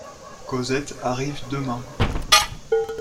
Cosette arrive demain.